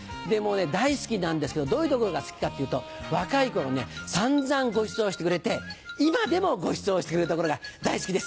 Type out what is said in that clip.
大好きなんですけどどういうところが好きかっていうと若い頃ね散々ごちそうしてくれて今でもごちそうしてくれるところが大好きです。